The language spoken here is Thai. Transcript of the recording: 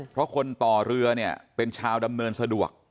เพราะคนต่อเรือเนี่ยเป็นชาวดำเนินสะดวก